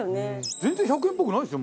全然１００円っぽくないですよ